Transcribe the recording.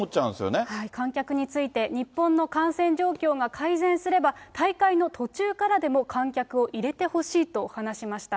観客について、日本の感染状況が改善すれば、大会の途中からでも、観客を入れてほしいと話しました。